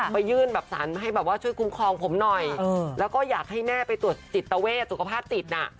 ไปยื่นแบบสารให้แบบว่าช่วยคุ้มครองผมหน่อยแล้วก็อยากให้แม่ไปตรวจจิตเวทสุขภาพจิตน่ะ